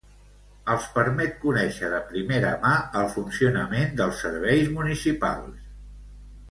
els permet conèixer de primera mà el funcionament dels serveis municipals